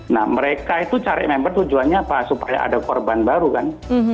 nah mereka itu cari member tujuannya apa supaya ada korban baru kan